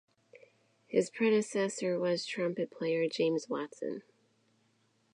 His predecessor was trumpet player James Watson.